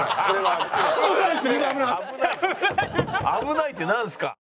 「危ない」ってなんですか？